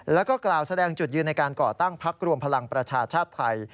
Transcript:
แล้วก็กล่าวแสดงจุดยืนในการก่อตั้งพักรวมพลังประชาชาติไทย